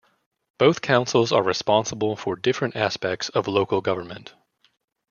Both councils are responsible for different aspects of local government.